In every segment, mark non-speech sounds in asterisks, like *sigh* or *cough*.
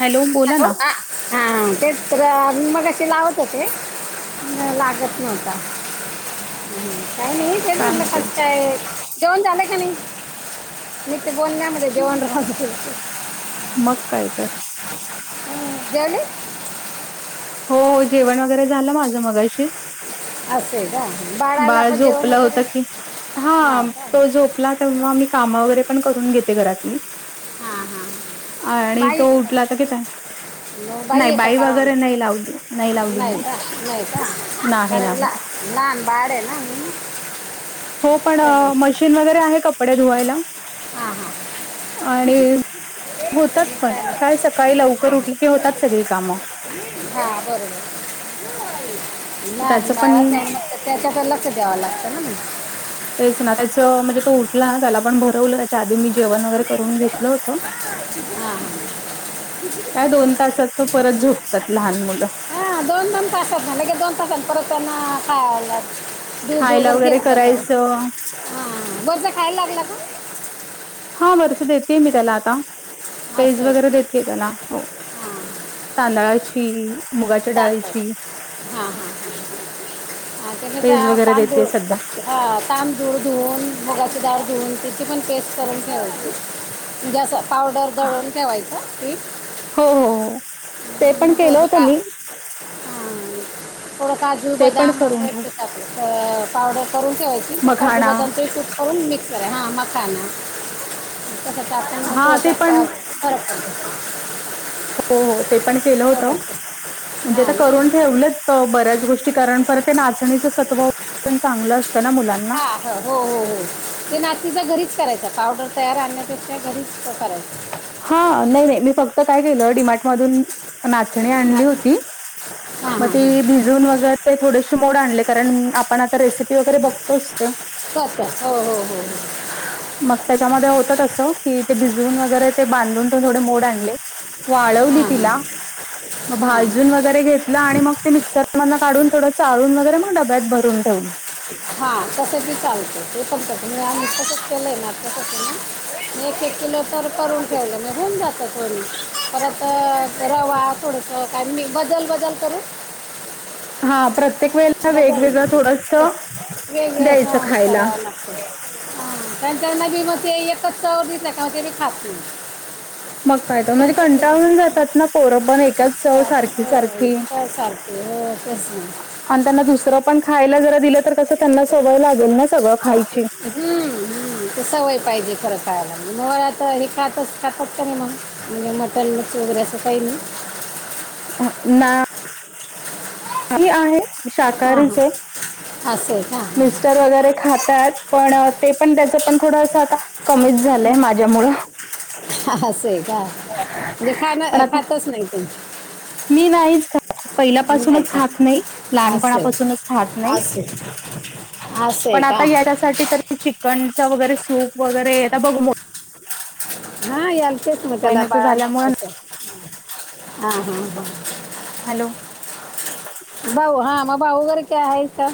Hello बोला ना. हा तेच तर मग असे लावत होते लागत नव्हता. म् काही नाही ते काय म्हटलं म्हणते खचत आहे. जेवण झालं का नाही मी ते बोलल्या म जेवण राहत. मग काय तर, हम् घ *unintelligible* हो जेवण वगैरे झालं माझं मघाशी चं. असे का बाळाला पण जेवण झोपलं होतं करून. की हा तो झोपला तेव्हा मी काम वगैरे पण करून घेते घरातली. हां हां आणि बाई तो उठला तर घे त्याला. नाही आहे का बाई का वगैरे नाही लावली. लावली नाही मी. का नाही नाही लहान बाळ आहे ना म्हणून. हो पण तर- मशीन वगैरे आहे. कपडे धुवायला हां हां आणि? होतात. चालेल. पण सकाळी लवकर उठले की होतात सगळी कामं. हा बरोबर. तर लहान त्याचं बाळं पण चं. त्याच्या तर लक्ष दयावं लागतं ना मंग. तेचं ना त्याचं म्हणजे तो उठला त्याला आपण भरवलं त्याच्या आधी मी जेवण वगैरे करून घेतलं होतं. हां हां काय दोन तासात परत झोपतात लहान मुलं. हा दोन दोन तासात लगेच दोन तासाने परत त्यांना खायला. दूध खायला वगैरे घेतलं का करायचं हा वरचं खायला लागला का. हा वरच देते मी त्याला आता. हां पेज सर वगैरे देते त्याला हो हां. तांदळाची मुगाच्या डाळीची खिचडी. हा हा ह त्यां तर पेज वगैरे पा देते सध्या *unintelligible* ह तांदूळ धुवून मुगाची डाळ धुवून तिची पण पेस्ट करून ठेवाची. जस पावडर दळून ठेवायचं पिठं. हो. हो. हो. ते पण हो केलं होतं का मी थोडं काजू ते पण बदम करून ठेव व पावडर करून ठेवायची काजू मखाणा बदम शूध *unintelligible* करून मिक्. ह मखान त्याच्यात हा ते पण थोडंसं फरक पडतो. हो. हो. ते पण केलं फरक होतं. पडतो. म्हणजे हां आता करून ठेवलंच. बऱ्याचं गोष्टी कारण परत ते नाचणीचं सत्व पण चांगलं असतं ना मुलांना. हा. हो हो हो ते नाचणीचं घरीचं करायचं पावडर तयार आणण्यापेक्षा घरीचं करायचं. हा नाही मी फक्त काय केलं डिमार्ट मधून नाचणी आणली होती. हां म हां ती हां भिजवली, धुवून वगैरे थोडे मोड आणले कारण आपण आता रेसिपी वगैरे बघतोचं ते स *unintelligible* हो हो हो हो मगं त्याच्यामध्ये होत. असं कि ते भिजून वगैरे. ते बांधून थोडे मोड आणले वाळवली हां तिला. मग हां हां भाजून वगैरे घेतलं आणि मग ते मिक्सर मध काढून थोडं चाळून वगैरे मंग डब्यात भरून ठेवली. हा तसं की चालत ते पण आम्ही तसंच केलंय ना. एक एक किलो तर करून ठेवलं हून जातात पोरी परत रवा थोडंसं काय मी बदल बदल करून. हा प्रत्येक वेळ बदल ब *unintelligible* हग द्यायचं खायला हातराला त्यांच्यामध्ये मग ते एकच चव दिसला का मंग ते मी खात नाही. मग काय तर, म्हणजे त्यांच्यात ते कंटाळून जातात ना पोरं पण एकच चव सारखी सारखी. हो सारखे हो तेच न. आणि त्यांना दुसरं पण खायला जरा दिलं तर कसं त्यांना सवय लागेल ना सगळं खायची. हम हम तसं सवय पाहिजे खरं खायला म तर हे खातच खातात का नाही, मग म्हणजे मटन वगैरे असं काही नाही? हा ना *inaudible* ह आहे हां शाकाहारीचे हां असं का? हां, मिस्टर वगैरे खातात पण ते पण त्याचं पण थोडंसं आता. कमीच झालंय माझ्यामुळं. असय का? म्हणजे खायन पण आता खातच नाही त मी नाहीच खा नाही पहिल्यापासूनच का खात नाही, असं आहे लहानपणापासूनच खात नाही. असं आहे असं आहे पण आता का याच्यासाठी तर मी चिकनचा वगैरे सूप वगैरे आ बघ हा याल तेस मतेला महिन्याच बाळा झाल्यामुळे नत ह हा. हॅलो! भाऊ हा मग भाऊ वर काय आहे का?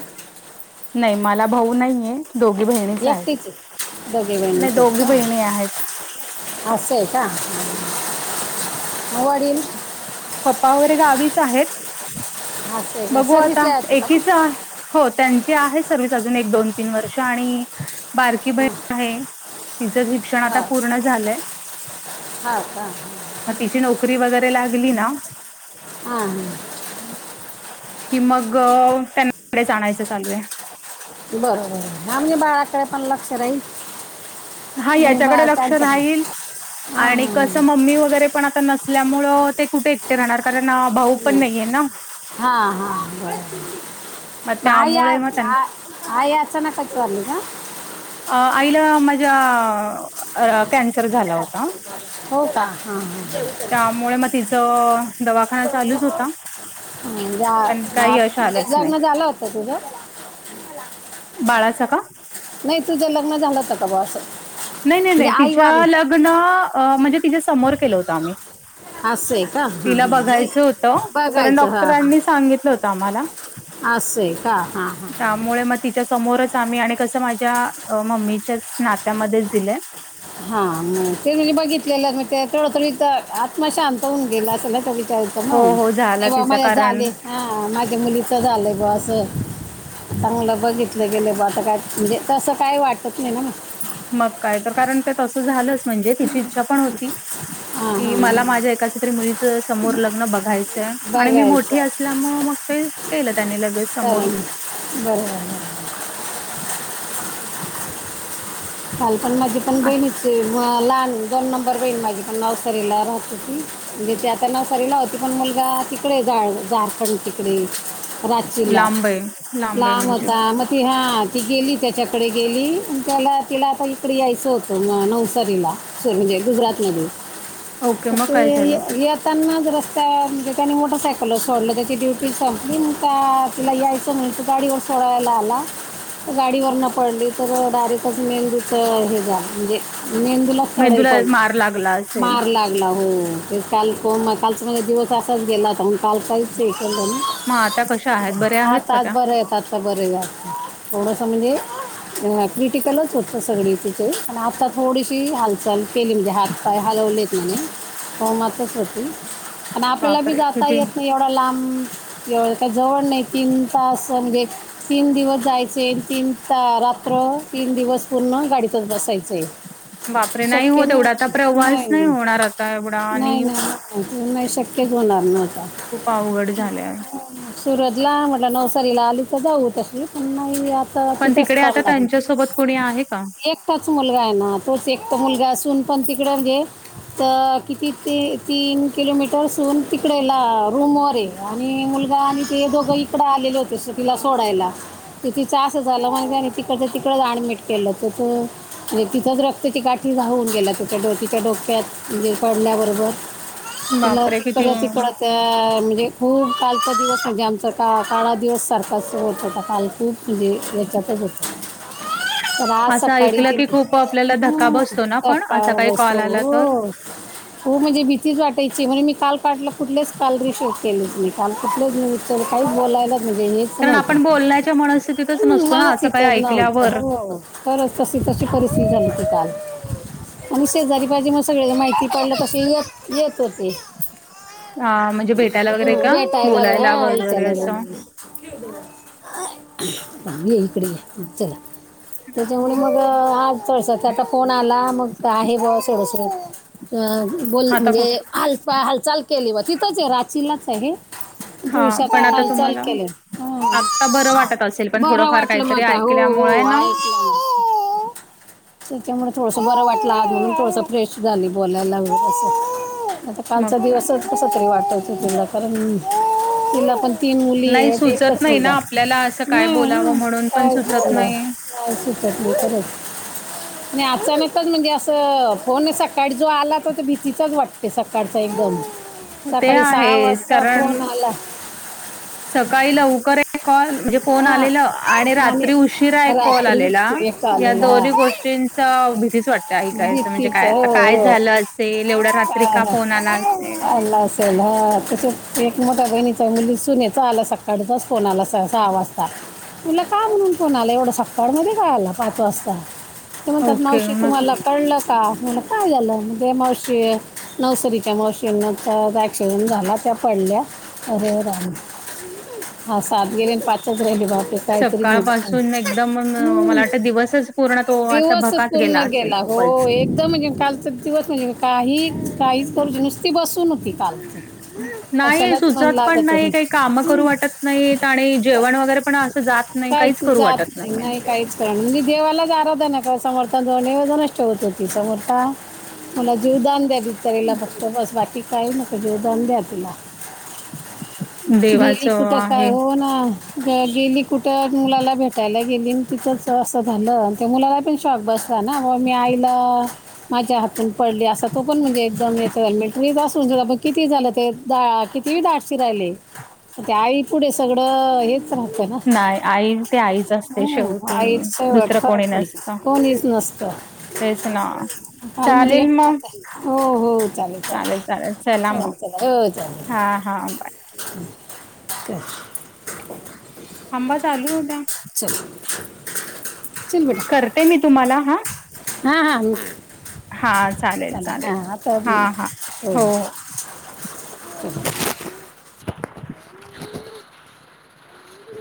नाही मला भाऊ नाहीये. दोघी बहिणीचं आहेत एकटीच आहे. दोघे नाही बहिणीच आहेत दोघी का बहिणी आहेत. असं आहे का, मग वडील? पप्पा वगैरे गावीचं आहेत. हा बघू आता, एकीच आ हो त्यांची आहे सर्विस अजून एक दोन तीन वर्ष, आणि बारकी हां बहीण आहे. तिचं शिक्षण आता हां पूर्ण झालंय. हां का मग तिची नोकरी वगैरे लागली ना! हा ह. ह *inaudible* कि मग त्यांनाकडेच आणायचं चालू आहे. बरोबर हा म्हणजे बाळाकडे पण लक्ष राहील. हा आणि बा याच्याकडे लक्ष त्यांचं पण राहील, हां आणि कस मम्मी वगैरे पण आता नसल्यामुळे, ते कुठे एकटे राहणार कारण. भाऊ पण नाहीये ना हा हा बर मग आई आ त्यामुळे मग आ त्यांना आई अचानक च वाारली का? अ आईला माझा कॅन्सर झाला होता. हो का? हा ह. त्यामुळे मग तिचं दवाखाना चालूच होता. पण ह काही यश लग्न झालं होत तुझं? बाळाचं का? नाही तुझं लग्न झालं होत का ब असं? नाही नाही म्हणजे नाही आई तिच्या वारली लग्न म्हणजे तिच्या समोर केलं होतं आम्ही. ह *inaudible* असं आहे का? ह तिला ह बघायचं होतं कारण बघायचं हा ह. डॉक्टरांनी सांगितलं होतं आम्हाला असय का? हां हां. मुळे मग तिच्या समोरच आम्ही आणि कसं माझ्या मम्मीच्याच नात्यामध्येच दिलंय. हा ते म्हणजे बघितलेलं म ते थड थथ आत्मा शांत होऊन गेला अस त्या विचार. हो मग हो झाला नाही बा तिचा माझ्या कारण झाले. हा माझ्या मुलीचं आलंय ब असं चांगलं बघितलं गेलं ब आता काय म्हणजे तसं काय वाटत नाही ना म मग काय तर कारण ते तसं झालंच म्हणजे तिची इच्छा पण होती हां कि हां मला माझ्या एकाच तरी मुलीचं समोर लग्न बघायचंय आणि मी मोठी बघायचं असल्या म मग ते केलं त्यांनी लगेच चा ना समोर बरोबर झाल पण माझी पण बहिणीच मग लहान दोन नंबर बेल माझी पण नवसरीला राहते हो ती म्हणजे ती आता नवसरीला होती पण मुलगा त तिकडे जाळ झारखंड तिकडे रची ला लांब आहे आहे लांब म्हणजे होता मग त हा ती गेली त्याच्याकडे गेली त्याला तिला आता इकडे यायचं होतं म नवसारीला म्हणजे गुजरात मध ओके मग काय झालं अ त्यांनाच रस्त्या म्हणजे त्यांनी मोटरसायकल सोडलं त्याची ड्युटी संपली तुला यायचं नाही तू गाडी फडयला आला गाडीवर न पडली तर डायरेक्ट मेंद दु हे जा म्हणजे मे तुला सढई मेंदूला पड मार लागला असेल मार लागला हो ते काल को म कालचा म्हला दिवस असाच गेला तरण काल काहीच इ झालं मग आता कशा आहेत बऱ्या आहेत का आाताज त्या बरं येतात बर थोडस म्हणजे टिकलच होतं सगळी तिचे पण आता थोडीशी हालचाल केली म्हणजे हात पाय हलवलेत म्ह हो मातच होती प आपल्याला बी बापरे जाता किती येत नाही लांबव का जवळ नाही तीन तास म्हणजे तीन दिवस जायचे तीन रात्र तीन दिवस पूर्ण गाडीतच बसायचंय बापरे शक्य नाही एवढा आता होत प्रवास नाही नाही होणार आता एवढा नाही आणि नाही आणि नाही शक्य होणार न आता खूप अवघड झाल्या सुरतला म्हटलं नवसारीला आली तर जाऊ तशी पण नाही आता पण तिथंच तिकडे आता थांबणार त्यांच्यासोबत कोणी आहे का एकटाच मुलगा आहे ना तोच एकट मुलगा असून पण तिकडे तर किती ते तीन किलोमीटरसून तिकडेला रूमवरर आहे आणि मुलगा आणि ते दोघं इकड आलेले होते अस तिला सोडायला तिचं असं झालं म्हण त्यानी तिकड तिकडच अऍडमिट केलं तर त म्हणजे तिथंच रक्ताची काठी झाऊून गेला तच्या ड तिच्या डोक्यात म्हणजे पडल्याबरोबर तुला बापरे किती पिकड तिकड तर म्हणजे खूप कालचा दिवस म्हणजे आमचा का काळा दिवससारखा अस होत होता काल खूप म्हजे लटात होत रात असं ऐकलं सकाळीितन की खूप आपल्याला धक्का हम् बसतो ना पण असा सकाळ काही बस कॉल आला तर ह होूप म्हणजे भीतीच वाटायची म्हणे मी काल पाटलं कुठलेच काल रिसेट केलेच मी काल कुठलेच त काही बोलाय कारण आपण बोलण्याच्या मनस्थितीतच हम्म, नसतो ना मनात असं काय इथं नव्हतं ऐकल्यावर हो खच तशी तशी परिस्थिती झाली ती काल आणि शेजारी पाजे मग सगळ्यां माहिती पडलं तसे य येत होते हा म्हणजे भेटायला वगैरे ह का भेटायला बोलायला वगैरे हाल असं येकडे आहे चला त्याच्यामुळे मग आज तळस त्याचा फोन आला मग तर आहे ब स दसरं बोल आता खूप म्हणजे हालपा हालचाल केली बा तिथंच आहे रचीलाच आहे हा पुरुष्याात पण आता हालचाल तुम्हाला केले आता बरं वाटत असेल पण बर थोडंफार वाटल काहीतरी मता हो हो ऐकल्यामुळे ना लगू त्याच्यामुळे थोडसं बरं वाटलं आज म्हणून थोडसं फ्रेश झाली बोलायला वगैरे असं आता मग कालचा काय तर. दिवसच कसा तरी वाटायचं तुला कारण तिला पण तीन मुली नाही आहे सुचत एकच नाही ना मुलगा आपल्याला असं काय नाही ह बोलावं म्हणून पण काय सुचत झाला नाही. श नाही खरच नाही अचानकच म्हणजे असं फोनत सकाळी जो आला तर त भीतीचाच वाटते सकाळचा एकदम ते सकाळी सहा आहेच वाजता कारण फोन आला सकाळी लवकर कॉल म्हणजे फोन हां आलेला आणि रात्री उशिरा एक कॉल रात्री आलेला एक या आलेला दोन्ही हा गोष्टीं भीतीच वाटते ऐकायचं म्हणजे भीतीचं काय आ हो काय हो झालं असेल एवढ्या रात्री का काय फोन आला असेल आला असेल ह तसेच एक मोठ्या बहिणीचा मुली सुनचा आला सकाळीचाच फोन आला स सहा वाजता म्हलं काय म्हणून कोण आला एवढं सकाळमध्ये काय आला पाच वाजता तेवंत नाव ओके शिकू मग मला कळलं का म्ह काय झालं म्हणजे मावशी नवसरीच्या मावशीन तर केवण झाला त्या पडल्या अरे रा हा सात गेले पाच राहिली बा ते काहीतरी मला सकाळपासून एकदम हम् मला वाटतं दिवसच पूर्ण तो असा देवसच भकास पु न असेल गेला हो खूपच. एकदम कालच दिवत म्ह काही काहीच करज नुसती बसू न हो्हती चालत नाही अशालाच मन सुचत पण लागत काही कामं करू वाटत नाही जेवण वगैरे पण असं जात नाही, काहीच करू जात वाटत नाही नाही म्हणजे काहीच त्यांी देवालाच आराधना कर समर्थ दोन एजच ठे होत होती समोथ मला जीवदान द्या ब तरला फक्त बस बाट काही नक जीवदान द्या तुला हेे देवाचं कुठं काय आहे. हो ना हां ग गेली कुठं मुलाला भेटायला गेली तिथंच असं झालं ते मुलाला पण शॉक बसला ना मी आईला माझ्या हातून पडले अस तो पण म्हणजे एकदम येत हेल्मेट म ब म किती झालं ते द किती दाटशी राहिले ते आई पुढे सगळ थड हेच राहतं ना नाही आई ते आईच असते हम आई शेवटी शेवट दुसरं फडे कोण हच नसत तेस ना चालेल कालमध्येध्ये मग यात हो हो चालेल चालेल चाल ले हो चाले हा हा बाय. का *inaudible* थांबा चालू होत्या च बटा करते मी तुम्हाला हा हा हा हा चालेल च चालेल हाता हा हा हो हो हो. ते *inaudible* *inaudible*